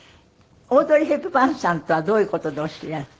オードリー・ヘプバーンさんとはどういう事でお知り合いに？